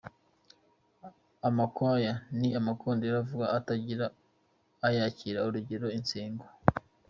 Amakwaya : Ni amakondera avuga atagira ayakira, Urugero:Insengo.